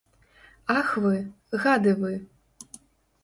Ах, вы, гады вы!